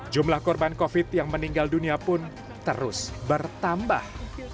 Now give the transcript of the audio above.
jumlah korban covid yang meninggal dunia pun terus bertambah